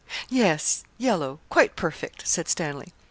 'Yes yellow quite perfect,' said Stanley.